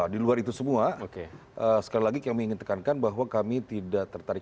di luar itu semua sekali lagi kami ingin tekankan bahwa kami tidak tertarik